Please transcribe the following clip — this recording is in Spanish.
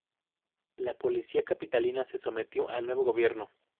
La policía capitalina se sometió al nuevo Gobierno.